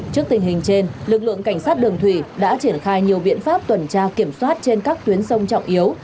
trước tình hình trên lực lượng cảnh sát đường thủy đã triển khai nhiều biện pháp tuần tra kiểm soát trên các tuyến sông trọng yếu